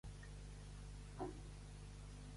Per què els alcaldes hi estan a favor?